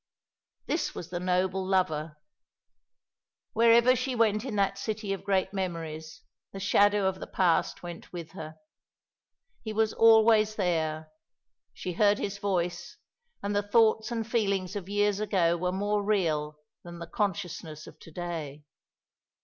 This was the noble lover. Wherever she went in that city of great memories the shadow of the past went with her. He was always there she heard his voice, and the thoughts and feelings of years ago were more real than the consciousness of to day.